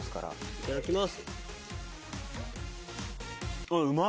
・いただきます